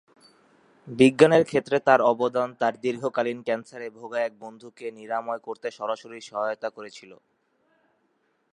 বিজ্ঞানের ক্ষেত্রে তাঁর অবদান তার দীর্ঘকালীন ক্যান্সারে ভোগা এক বন্ধুকে নিরাময় করতে সরাসরি সহায়তা করেছিল।